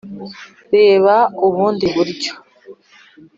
reba ubundi buryo